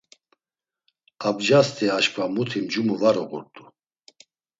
Abcasti aşǩva muti mcumu var uğurt̆u.